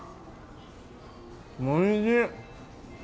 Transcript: おいしい！